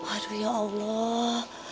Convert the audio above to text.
aduh ya allah